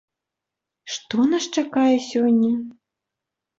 Што нас чакае сёння?